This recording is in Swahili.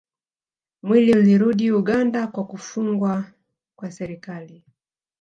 Mwili ulirudi Uganda kwa kufungwa kwa serikali